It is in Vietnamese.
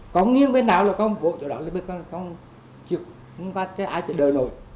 con nghiêng bên nào là con vội chỗ đó lên bên con con chưa có cái ai trở đời nổi